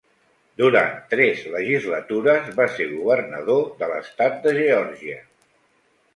Durant tres legislatures va ser Governador de l'estat de Geòrgia.